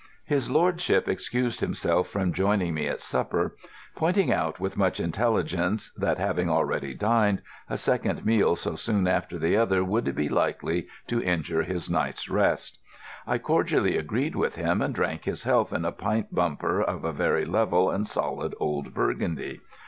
His lordship excused himself from joining me at supper, pointing out with much intelligence that, having already dined, a second meal so soon after the other would be likely to injure his night's rest. I cordially agreed with him, and drank his health in a pint bumper of a very level and solid old Burgundy.